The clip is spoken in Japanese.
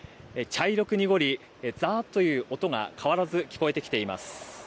茶色く濁り、ザーッという音が変わらず聞こえてきています。